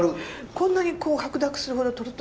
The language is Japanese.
こんなにこう白濁するほどとろっと。